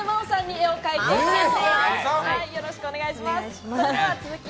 よろしくお願いします。